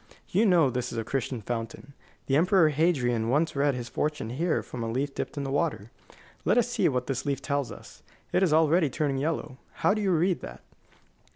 You know this is a Castalian fountain. The Emperor Hadrian once read his fortune here from a leaf dipped in the water. Let us see what this leaf tells us. It is already turning yellow. How do you read that?"